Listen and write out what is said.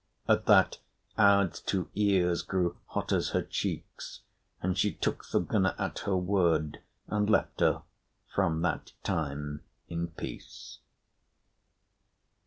At that Aud's two ears grew hot as her cheeks; and she took Thorgunna at her word; and left her from that time in peace.